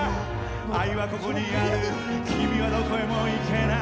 「愛はここにある君はどこへもいけない」